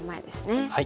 はい。